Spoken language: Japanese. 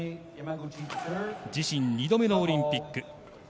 自身２度目のオリンピック。